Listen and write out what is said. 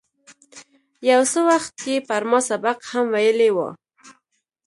یو څه وخت یې پر ما سبق هم ویلی و.